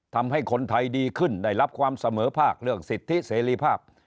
ทำให้คนไทยดีขึ้นได้รับความเสมอภาคเรื่องสิทธิเสรีภาพ